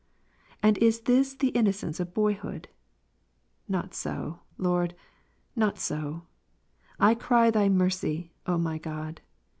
And is this the innocence of boyhood ? Not so. Lord, not so ; I cry Thy mercy, O my God.